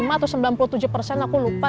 lima atau sembilan puluh tujuh persen aku lupa